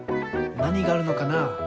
なにがあるのかな？